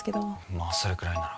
まあそれくらいなら。